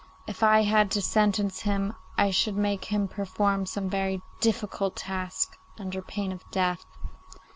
If I had to sentence him I should make him perform some very difficult task, under pain of death.